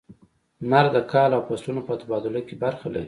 • لمر د کال او فصلونو په تبادله کې برخه لري.